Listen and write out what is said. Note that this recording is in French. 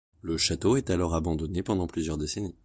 Le château est alors abandonné pendant plusieurs décennies.